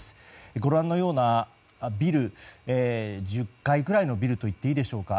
ご覧のようなビル１０階くらいのビルといっていいでしょうか。